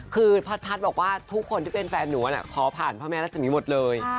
คือพัดบอกว่าทุกคนที่เป็นแฟนหนูขอผ่านพระแม่รัศมีหมดเลย